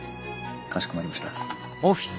かしこまりました。